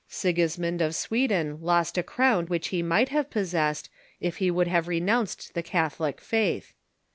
Sigismund of Sweden lost a crown which he might have possessed if he would have renounced the Catholic faith.